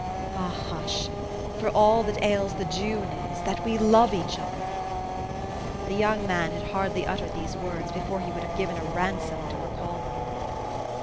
Ah, hush ! For all that ails the June is, that we love each other." The young man had hardly uttered these words before he would have given a ransom to recall them.